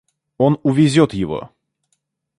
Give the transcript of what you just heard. Он увезет его.